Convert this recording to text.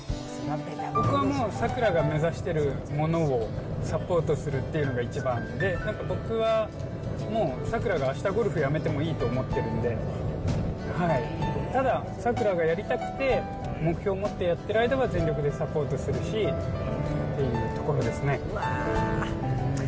僕はもう、さくらが目指しているものをサポートするっていうのが一番で、なんか僕はもう、さくらがあしたゴルフ辞めてもいいと思ってるんで、ただ、さくらがやりたくて、目標を持ってやってる間は全力でサポートするしっていうところですね。